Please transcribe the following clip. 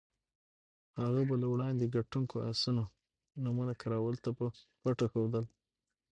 هغه به له وړاندې ګټونکو اسونو نومونه کراول ته په پټه ښودل.